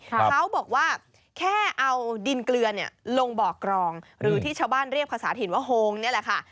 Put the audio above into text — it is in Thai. เขาบอกว่าแค่เอาดินเกลือลงบ่อกรองหรือที่ชาวบ้านเรียกภาษาถิ่นว่าโฮงนี่แหละค่ะ